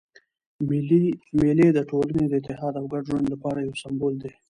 مېلې د ټولني د اتحاد او ګډ ژوند له پاره یو سېمبول دئ.